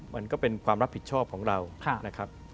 มันก็เป็นความรับผิดชอบของเรา